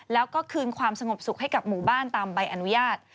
แล้วก็คืนความสงบสุขให้กับหมู่บ้านตามใบอนุญาต